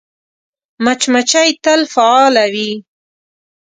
مچمچۍ تل فعاله وي